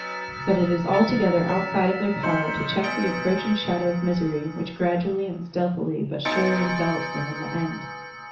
But it is altogether outside of their power to check the approaching shadow of misery which gradually and stealthily but surely envelops them in the end.